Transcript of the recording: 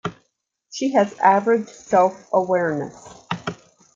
She has average self-awareness.